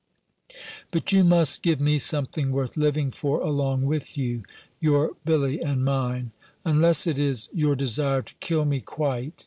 "But you must give me something worth living for along with you; your Billy and mine! Unless it is your desire to kill me quite!